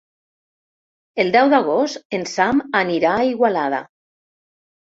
El deu d'agost en Sam anirà a Igualada.